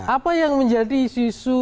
apa yang menjadi sisu